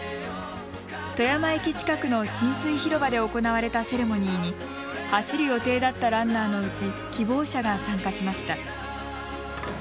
富山駅近くの親水広場で行われたセレモニーに走る予定だったランナーのうち希望者が参加しました。